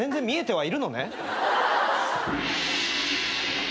はい。